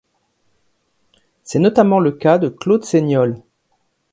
C'est notamment le cas de Claude Seignolle.